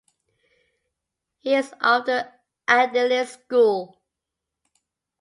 He is of the Idealist school.